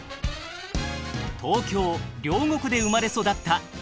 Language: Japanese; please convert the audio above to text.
東京・両国で生まれ育った藪沢